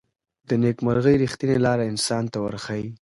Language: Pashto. د نیکمرغۍ ریښتینې لاره انسان ته ورښيي.